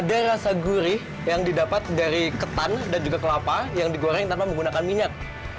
ada rasa gurih yang didapat dari ketan dan juga kelapa yang digoreng tanpa menggunakan minyak